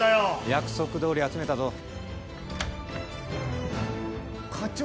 約束どおり集めたぞ課長？